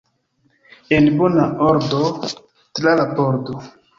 En bona ordo tra la pordo!